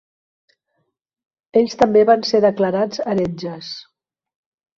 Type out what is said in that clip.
Ells també van ser declarats heretges.